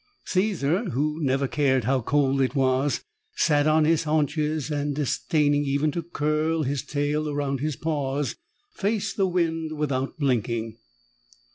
Caesar, who never cared how cold it was, sat on his haunches and, disdaining even to curl his tail around his paws, faced the wind without blinking.